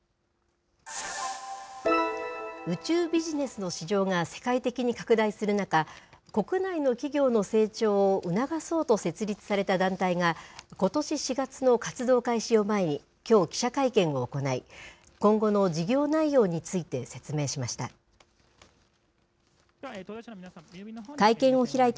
宇宙ビジネスの市場が世界的に拡大する中、国内の企業の成長を促そうと設立された団体が、ことし４月の活動開始を前に、きょう記者会見を行い、今後の事業内容について説明しました。